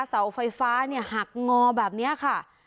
เสาไฟฟ้าหักงอแบบนี้ค่ะ